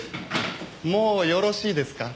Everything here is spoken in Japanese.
もうよろしいですか？